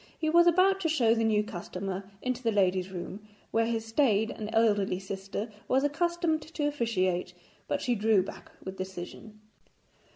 He was about to show the new customer into the ladies' room, where his staid and elderly sister was accustomed to officiate, but she drew back with decision.